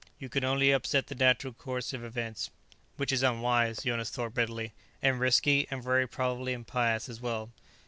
You can only upset the natural course of events." "Which is unwise," Jonas thought bitterly, "and risky, and very probably impious as well."